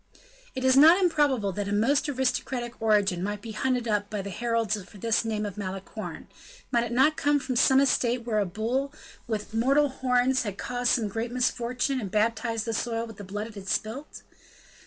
It was not improbable that a most aristocratic origin might be hunted up by the heralds for this name of Malicorne; might it not come from some estate where a bull with mortal horns had caused some great misfortune, and baptized the soil with the blood it had spilt?